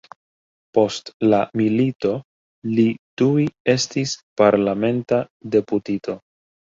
Post la milito li tuj estis parlamenta deputito.